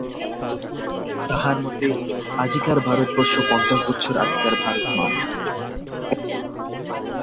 তাঁহার মতে আজিকার ভারতবর্ষ পঞ্চাশ বৎসর আগেকার ভারত নয়।